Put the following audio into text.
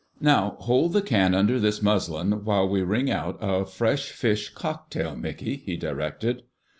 "Now hold the can under this muslin while we wring out a fresh fish cocktail, Mickey," he directed.